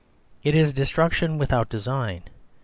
It is destruction without design.